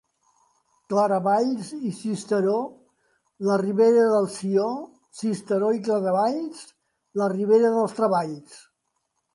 Claravalls i Sisteró, la ribera del Sió; Sisteró i Claravalls, la ribera dels treballs.